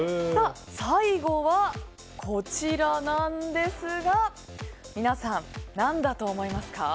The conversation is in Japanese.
最後は、こちらなんですが皆さん、何だと思いますか？